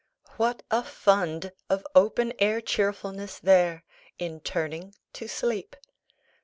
What a fund of open air cheerfulness, there! in turning to sleep.